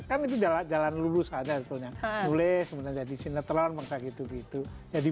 kamu tidak jalan lulus ada tentunya mulai sebenarnya di sinetron maksa gitu gitu jadi